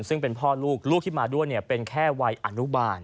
ซึ่งเป็นพ่อลูกลูกที่มาด้วยเป็นแค่วัยอนุบาล